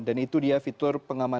dan itu dia fitur pengamanan